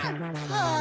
ああ。